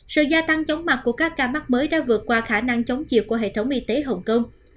sự gia tăng chống mặt của các ca mắc mới đã vượt qua khả năng chống chịu của hệ thống y tế hồng kông